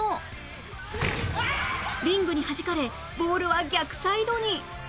リングにはじかれボールは逆サイドに